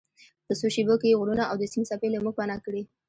په څو شیبو کې یې غرونه او د سیند څپې له موږ پناه کړې.